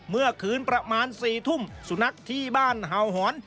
เมื่อคืนประมาณ๔ทุ่มสุนัขที่บ้านเห่าหอน